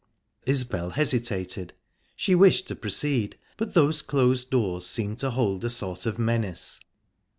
Isbel hesitated. She wished to proceed, but those closed doors seemed to hold a sort of menace.